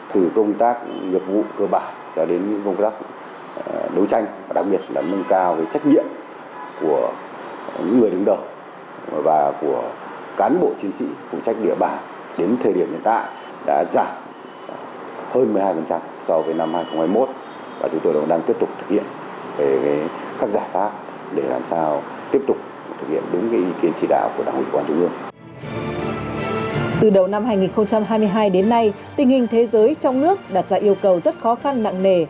từ đầu năm hai nghìn hai mươi hai đến nay tình hình thế giới trong nước đạt ra yêu cầu rất khó khăn nặng nề